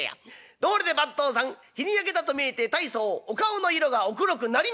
どうりで番頭さん日に焼けたと見えて大層お顔の色がお黒くなりましたね」。